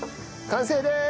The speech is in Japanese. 完成です！